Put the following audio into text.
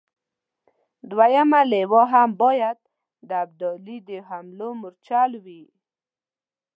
درېمه لواء هم باید د ابدالي د حملو مورچل وي.